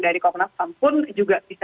dari kompolnasam pun juga bisa